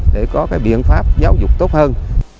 để có biện pháp giáo dục tốt hơn